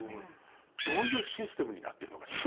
どういうシステムになってるのかしら？